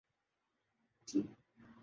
ہہنیاں سرور سے جھومتی چلی جاتیں